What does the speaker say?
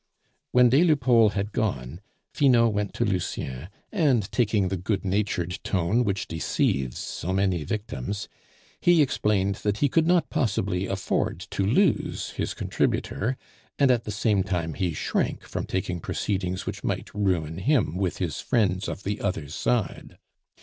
When des Lupeaulx had gone, Finot went to Lucien, and taking the good natured tone which deceives so many victims, he explained that he could not possibly afford to lose his contributor, and at the same time he shrank from taking proceedings which might ruin him with his friends of the other side.